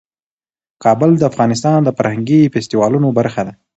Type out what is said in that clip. کابل د افغانستان د فرهنګي فستیوالونو برخه ده.